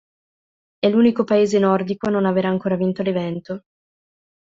È l'unico paese nordico a non avere ancora vinto l'evento.